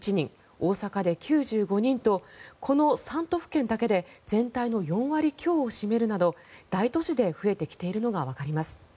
大阪で９５人とこの３都府県だけで全体の４割強を占めるなど大都市で増えてきているのがわかります。